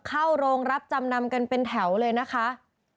เข้าโรงรับจำนำกันเป็นแถวเลยนะคะ